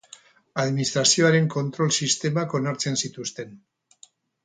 Administrazioaren kontrol sistemak onartzen zituzten.